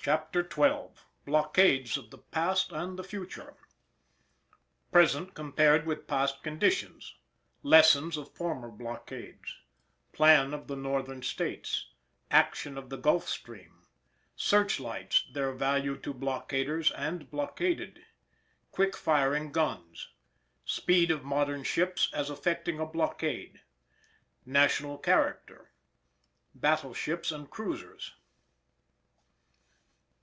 CHAPTER XII BLOCKADES OF THE PAST AND THE FUTURE Present compared with past conditions—Lessons of former blockades—Plan of the Northern States—Action of the Gulf stream—Search lights; their value to blockaders and blockaded—Quick firing guns—Speed of modern ships as affecting a blockade—National character—Battle ships and cruisers.